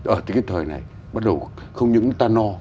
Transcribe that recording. ở cái thời này bắt đầu không những ta no